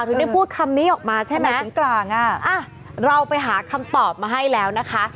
ไม่ได้พูดคำนี้ออกมาใช่ไหมอะเราไปหาคำตอบมาให้แล้วนะคะ